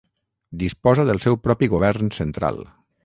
Disposa del seu propi govern central.